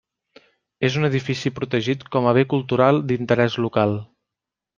És un edifici protegit com a Bé Cultural d'Interès Local.